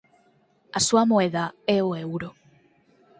A súa moeda é o euro.